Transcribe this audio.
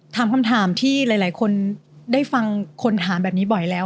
ถามคำถามที่หลายคนได้ฟังคนถามแบบนี้บ่อยแล้ว